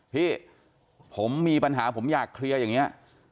พี่ผมมีปัญหาผมอยากเคลียร์อย่างนี้